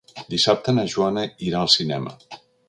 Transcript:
Dissabte na Joana irà al cinema.